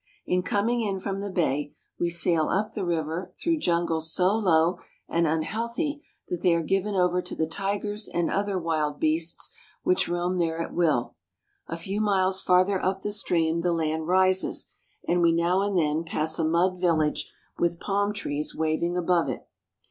In coming in from the bay we sail up the river through jungles so low and unhealthy that they are given over to the tigers and other wild beasts which roam there at will. A few miles farther up the stream the land rises, and we now and then pass a mud village with palm trees waving above it.